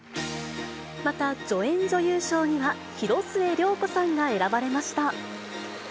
また、助演女優賞には広末涼子さんが選ばれました。